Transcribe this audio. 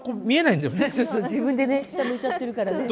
自分でね下向いちゃってるからね。